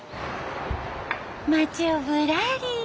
町をぶらり。